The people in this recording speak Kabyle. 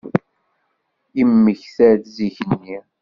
Yesmekta-d zik-nni.